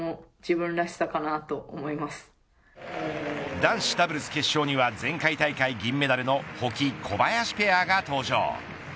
男子ダブルス決勝には前回大会銀メダルの保木、小林ペアが登場。